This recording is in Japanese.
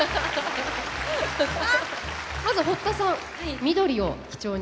まず堀田さん緑を基調にした。